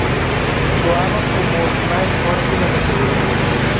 Soaban como os máis fortes da categoría.